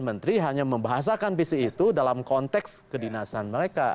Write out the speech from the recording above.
menteri hanya membahasakan visi itu dalam konteks kedinasan mereka